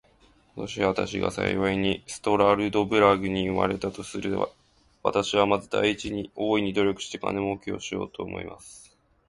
もし私が幸いにストラルドブラグに生れたとすれば、私はまず第一に、大いに努力して金もうけをしようと思います。